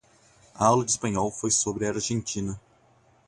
A aula de espanhol foi sobre a Argentina.